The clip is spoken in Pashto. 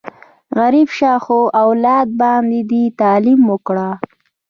غریب شه، خو اولاد باندې دې تعلیم وکړه!